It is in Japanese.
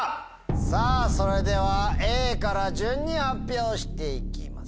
さぁそれではＡから順に発表していきます。